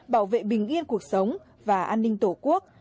bảo vệ bình yên cuộc sống và an ninh tổ quốc